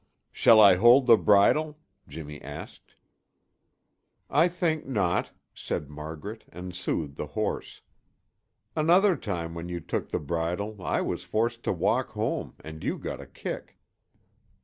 "Shall I hold the bridle?" Jimmy asked. "I think not," said Margaret and soothed the horse. "Another time when you took the bridle I was forced to walk home and you got a kick."